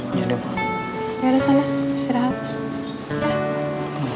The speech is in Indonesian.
iya deh mbak